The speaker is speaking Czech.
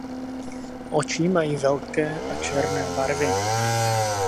Oči mají velké a černé barvy.